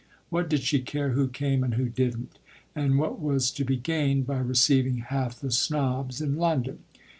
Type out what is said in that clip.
What did she care who came and who didn't, and what was to be gained by receiving half the snobs in London?